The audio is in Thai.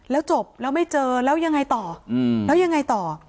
แล้วจบแล้วไม่เจอแล้วยังไงต่อแล้วยังไงต่อ